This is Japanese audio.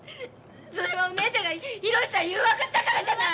それはお姉ちゃんが宏さん誘惑したからじゃない！